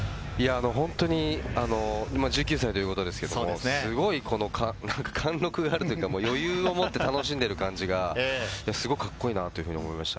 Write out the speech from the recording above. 本当に１９歳ということですけれど、すごい貫禄があるというか、余裕を持って楽しんでる感じがすごくカッコいいなと思いました。